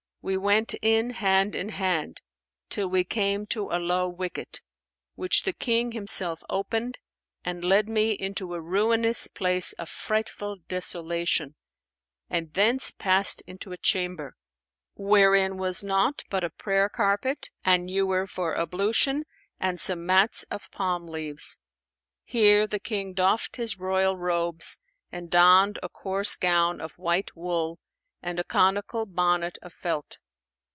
We went in, hand in hand, till we came to a low wicket, which the King himself opened and led me into a ruinous place of frightful desolation and thence passed into a chamber, wherein was naught but a prayer carpet, an ewer for ablution and some mats of palm leaves. Here the King doffed his royal robes and donned a coarse gown of white wool and a conical bonnet of felt.